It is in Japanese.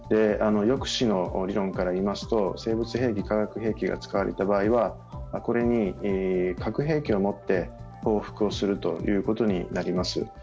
抑止の理論から言いますと生物兵器、化学兵器が使われた場合はこれに核兵器をもって報復をするということになります。